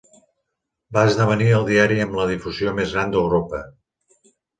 Va esdevenir el diari amb la difusió més gran d'Europa.